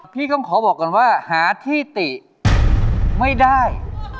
พี่ต้องขอบอกก่อนว่าหาที่ติไม่ได้